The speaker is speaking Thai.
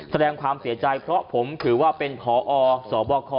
แสดงความเสียใจเพราะผมถือว่าเป็นพอสบค